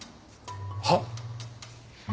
はっ？